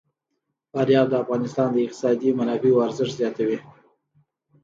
فاریاب د افغانستان د اقتصادي منابعو ارزښت زیاتوي.